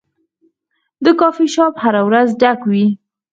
دا کافي شاپ هره ورځ ډک وي.